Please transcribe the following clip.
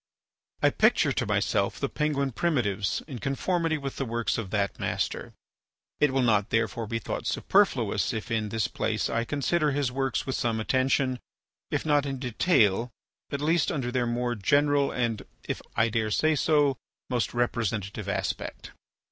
I picture to myself the Penguin primitives in conformity with the works of that master. It will not therefore be thought superfluous if in this place I consider his works with some attention, if not in detail, at least under their more general and, if I dare say so, most representative aspect.